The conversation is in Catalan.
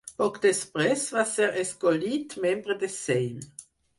Poc després va ser escollit membre de Sejm.